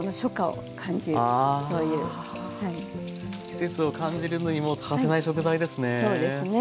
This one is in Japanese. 季節を感じるのにも欠かせない食材ですね。